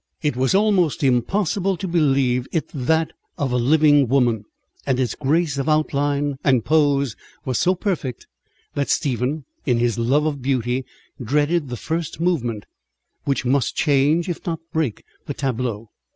It was almost impossible to believe it that of a living woman, and its grace of outline and pose was so perfect that Stephen, in his love of beauty, dreaded the first movement which must change, if not break, the tableau.